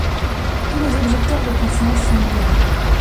Tous les objecteurs de conscience sont libérés.